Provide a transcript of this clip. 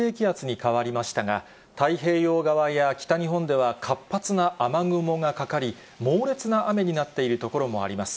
台風４号はきょう午前中に温帯低気圧に変わりましたが、太平洋側や北日本では、活発な雨雲がかかり、猛烈な雨になっている所もあります。